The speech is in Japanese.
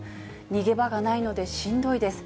逃げ場がないのでしんどいです。